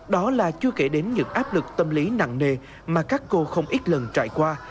đó là chưa kể đến những áp lực tâm lý nặng nề mà các cô không ít lần trải qua